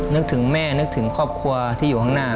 นึกถึงแม่นึกถึงครอบครัวที่อยู่ข้างหน้า